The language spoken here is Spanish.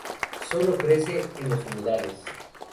Sólo crece en los humedales.